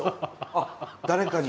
あ誰かに？